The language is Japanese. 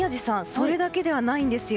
それだけではないんですよ。